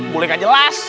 boleh gak jelas